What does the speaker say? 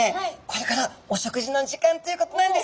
これからお食事の時間ということなんですね。